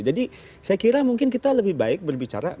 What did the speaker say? jadi saya kira mungkin kita lebih baik berbicara soal